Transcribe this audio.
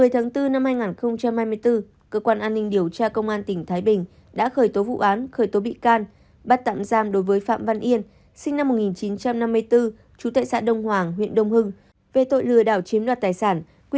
trước đó cơ quan an ninh điều tra công an tỉnh tiêm nhận đơn trình báo của bị hại